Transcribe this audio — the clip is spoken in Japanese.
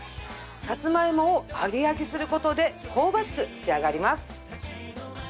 さつまいもを揚げ焼きすることで香ばしく仕上がります